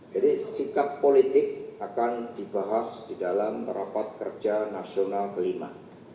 jadi sikap politik akan dibahas di dalam rapat kerja nasional kelima